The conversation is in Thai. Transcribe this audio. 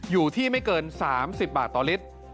อยู่ที่ไม่เกิน๓๐บาทต่อลิตร